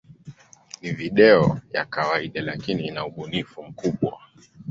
Ni video ya kawaida, lakini ina ubunifu mkubwa.